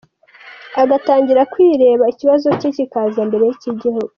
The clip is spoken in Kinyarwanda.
Agatangira kwireba ikibazo cye kikaza mbere y’icy’igihugu.